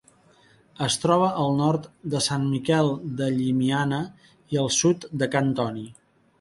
Es troba al nord de Sant Miquel de Llimiana i al sud de Cal Toni.